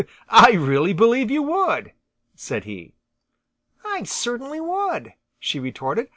"I really believe you would," said he. "I certainly would," she retorted.